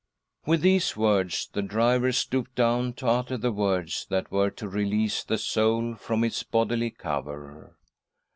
With. these words, the driver stooped down to utter the words that were to release the soul from its bodily cover.